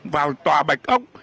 vào tòa bạch ốc